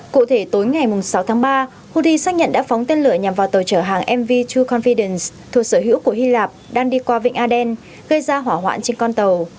cụ thể tối ngày sáu tháng ba houthi xác nhận đã phóng tên lửa nhằm vào tàu chở hàng mv true confidence thuộc sở hữu của hy lạp đang đi qua vịnh aden gây ra hỏa hoạn trên con tàu